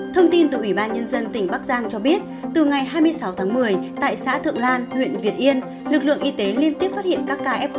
thông tin từ ủy ban nhân dân tỉnh bắc giang cho biết từ ngày hai mươi sáu tháng một mươi tại xã thượng lan huyện việt yên lực lượng y tế liên tiếp phát hiện các ca f một